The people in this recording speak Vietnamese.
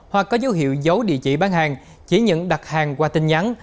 hoặc có dấu hiệu giấu địa chỉ bán hàng chỉ nhận đặt hàng qua tin nhắn